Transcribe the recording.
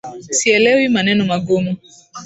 Sielewi maneno magumu